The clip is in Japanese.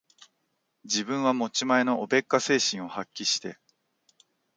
自分は持ち前のおべっか精神を発揮して、